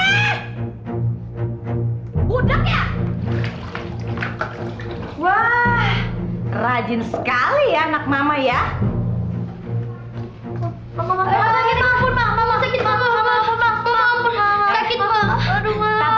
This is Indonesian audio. hai mudah ya wah rajin sekali anak mama ya